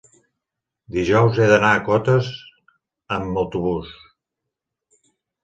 Dijous he d'anar a Cotes amb autobús.